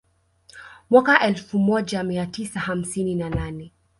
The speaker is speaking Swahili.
Mwaka elfu moja mia tisa hamsini na nane